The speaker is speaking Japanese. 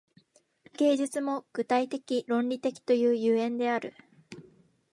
芸術も具体的論理的という所以である。